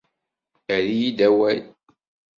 Err-iyi-d awal!